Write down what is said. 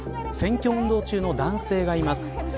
選挙運動中の男性がいます。